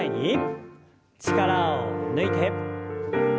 力を抜いて。